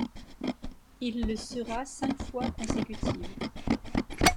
Il le sera cinq fois consécutives.